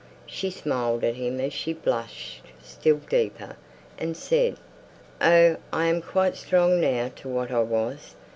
She smiled at him as she blushed still deeper, and said, "Oh! I am quite strong now to what I was.